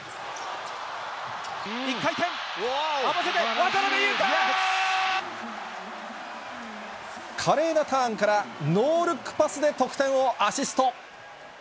１回転、華麗なターンから、ノールックパスで得点をアシスト。